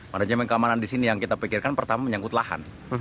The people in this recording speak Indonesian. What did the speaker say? manajemen keamanan di sini yang kita pikirkan pertama menyangkut lahan